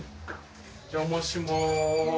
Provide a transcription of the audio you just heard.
お邪魔します。